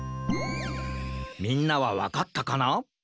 みんなはわかったかな？